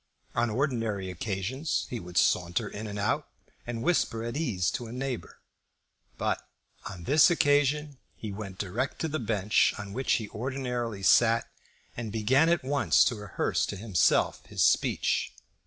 On ordinary occasions he could saunter in and out, and whisper at his ease to a neighbour. But on this occasion he went direct to the bench on which he ordinarily sat, and began at once to rehearse to himself his speech.